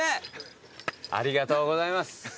ありがとうございます。